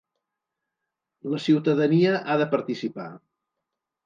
La ciutadania ha de participar.